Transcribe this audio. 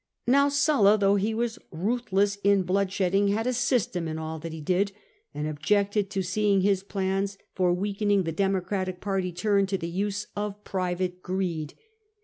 Now Sulla, though he was ruthless in blood shedding, had a jjystem in all that he did, and objected to seeing his plans for weakening the Democratic party turned to the use of private greed.